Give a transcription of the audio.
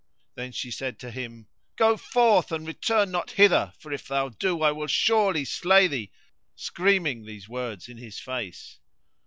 Then she said to him, "Go forth and return not hither, for if thou do I will surely slay thee;" screaming these words in his face.